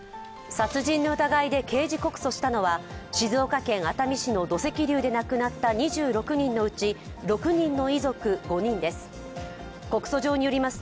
殺人の疑いで刑事告訴したのは静岡県熱海市の土石流で亡くなった２６人のうち、６人の遺族５人です。